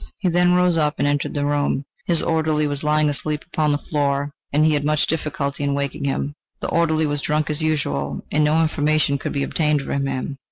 He then rose up and entered the next room. His orderly was lying asleep upon the floor, and he had much difficulty in waking him. The orderly was drunk as usual, and no information could be obtained from him.